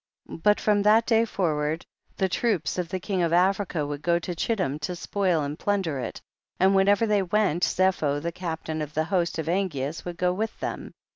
30. But from that day forward the troops of the king of Africa would go to Chittim to spoil and plunder it, and whenever they went Zepho the captain of the host of An geas would go with them.